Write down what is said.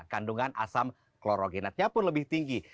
kandungan asam klorogenatnya pun lebih tinggi